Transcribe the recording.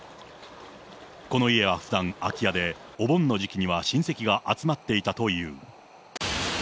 この家はふだん空き家で、お盆の時期には親戚が集まっていたという。